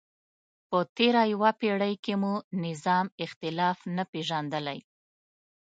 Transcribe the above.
په تېره یوه پیړۍ کې مو نظام اختلاف نه پېژندلی.